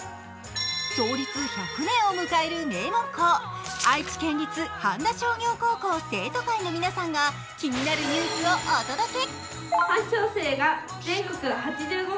創立１００年を迎える名門校、愛知県立半田商業高校生徒会の皆さんが気になるニュースをお届け！